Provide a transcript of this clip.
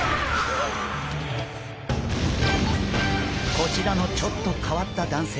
こちらのちょっと変わった男性。